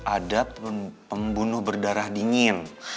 ada pembunuh berdarah dingin